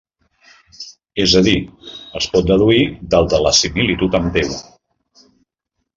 És a dir, es pot deduir del de la similitud amb Déu.